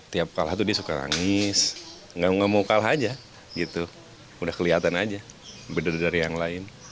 tiap kalah tuh dia suka nangis gak mau kalah aja gitu udah kelihatan aja bener dari yang lain